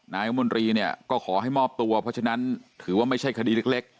นายมนตรีเนี่ยก็ขอให้มอบตัวเพราะฉะนั้นถือว่าไม่ใช่คดีเล็ก